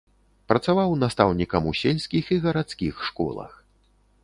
Працаваў настаўнікам у сельскіх і гарадскіх школах.